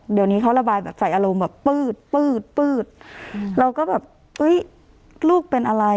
เดี๋ยวนี้เขาระบายใส่อารมณ์เปลี่ยนแล้วก็แบบลูกเป็นอะไร